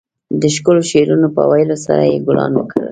د ښکلو شعرونو په ويلو سره يې ګلان وکرل.